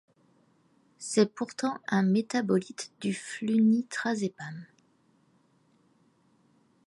C'est pourtant un métabolite du flunitrazépam.